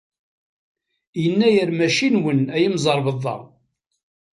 Yennayer maci nwen, a imẓerbeḍḍa.